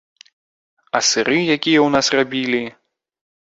А сыры якія ў нас рабілі!